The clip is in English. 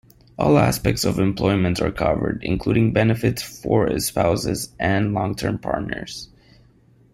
All aspects of employment are covered, including benefits for spouses and long-term partners.